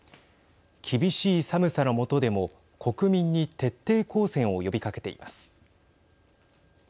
厳しい寒さのもとでも国民に徹底抗戦を呼びかけています。